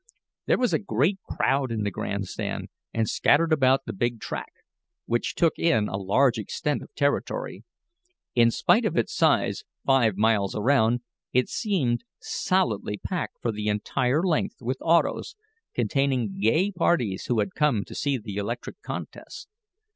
There was a great crowd in the grandstand and scattered about the big track, which took in a large extent of territory. In spite of its size five miles around it seemed solidly packed for the entire length with autos, containing gay parties who had come to see the electric contest.